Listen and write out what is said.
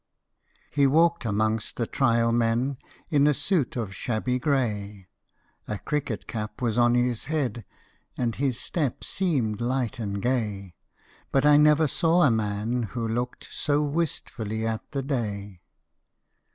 He walked amongst the Trial Men In a suit of shabby grey; A cricket cap was on his head, And his step seemed light and gay; But I never saw a man who looked So wistfully at the day.